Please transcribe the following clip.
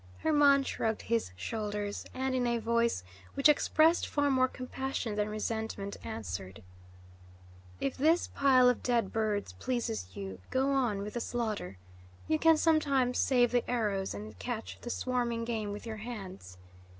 Hermon shrugged his shoulders, and, in a voice which expressed far more compassion than resentment, answered: "If this pile of dead birds pleases you, go on with the slaughter. You can sometimes save the arrows and catch the swarming game with your hands.